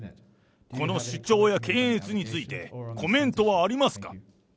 この主張や検閲について、コメントはありますか？